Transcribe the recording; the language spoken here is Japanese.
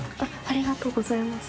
ありがとうございます。